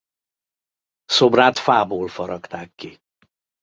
Szobrát fából faragták ki.